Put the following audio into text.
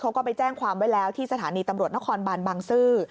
เขาก็ไปแจ้งความไว้แล้วที่สถานีตำรวจนครบานบางซื่อ